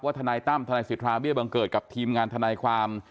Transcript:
ทนายตั้มทนายสิทธาเบี้ยบังเกิดกับทีมงานทนายความ